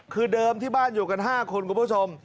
คือเดิมที่บ้านอยู่กัน๕คนคุณผู้ชม